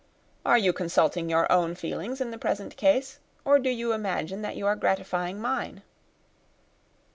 "Are you consulting your own feelings in the present case, or do you imagine that you are gratifying mine?"